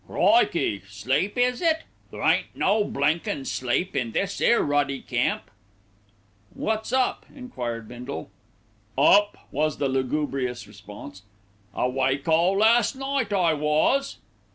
"Crikey! sleep is it? There ain't no blinkin' sleep in this 'ere ruddy camp." "Wot's up?" enquired Bindle. "Up!" was the lugubrious response. "Awake all last night, I was."